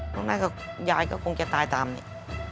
น้องไนท์ยายก็คงจะตายตามนี่